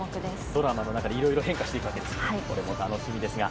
ドラマの中で変化していくわけですね。